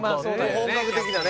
本格的なね